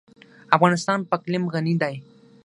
افغانستان په اقلیم غني دی.